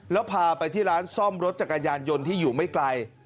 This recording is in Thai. แล้วพาไปที่ร้านซ่อมรถจักรยานยนต์ที่อยู่ไม่ไกล